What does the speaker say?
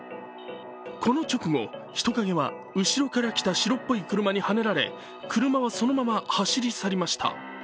この直後、人影は後ろから白っぽい車にはねられ車はそのまま走り去りました。